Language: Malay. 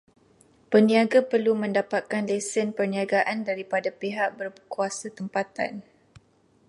Peniaga perlu mendapatkan lesen peniagaan daripada pihak berkuasa tempatan.